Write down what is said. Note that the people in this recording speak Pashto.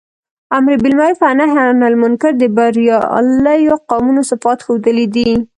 امر باالمعروف او نهي عنالمنکر د برياليو قومونو صفات ښودلي دي.